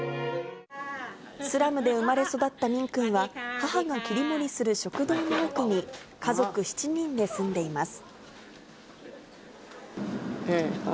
スラムで生まれ育ったミン君は、母が切り盛りする食堂の奥に、家族７人で住んでいます。